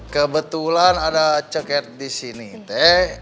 kebetulan ada ceket disini teh